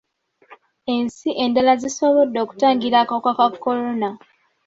Ensi endala zisobodde okutangira akawuka ka kolona.